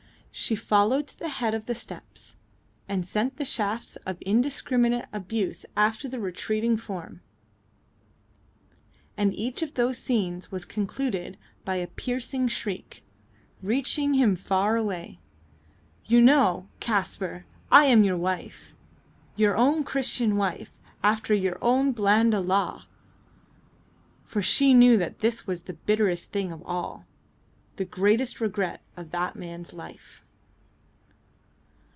She followed to the head of the steps, and sent the shafts of indiscriminate abuse after the retreating form. And each of those scenes was concluded by a piercing shriek, reaching him far away. "You know, Kaspar, I am your wife! your own Christian wife after your own Blanda law!" For she knew that this was the bitterest thing of all; the greatest regret of that man's life.